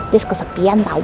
terus kesepian tau